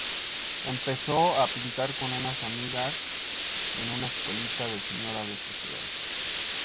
Empezó a pintar con unas amigas en "una escuelita de señora de sociedad".